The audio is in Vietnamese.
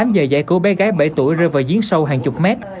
tám giờ giải cứu bé gái bảy tuổi rơi vào giếng sâu hàng chục mét